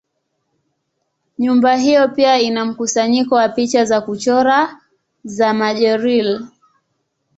Nyumba hiyo pia ina mkusanyiko wa picha za kuchora za Majorelle.